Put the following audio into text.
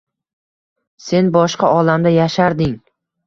Sen boshqa olamda yasharding